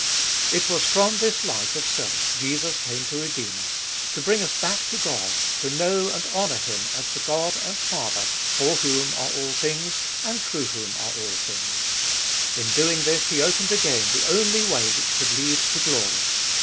It was from this life of self Jesus came to redeem us, to bring us back to God, to know and honour Him as the God and Father, for whom are all things and through whom are all things. In doing this he opened again the only way which could lead to glory.